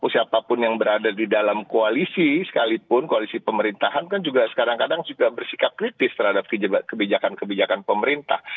siapapun yang berada di dalam koalisi sekalipun koalisi pemerintahan kan juga kadang kadang juga bersikap kritis terhadap kebijakan kebijakan pemerintah